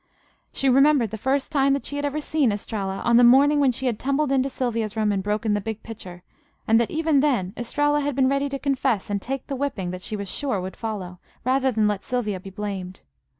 She remembered the first time that she had ever seen Estralla, on the morning when she had tumbled in to Sylvia's room and broken the big pitcher, and that even then Estralla had been ready to confess and take the whipping that she was sure would follow, rather than let Sylvia be blamed.